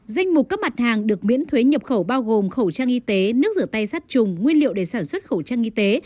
danh mục các mặt hàng được miễn thuế nhập khẩu bao gồm khẩu trang y tế nước rửa tay sát trùng nguyên liệu để sản xuất khẩu trang y tế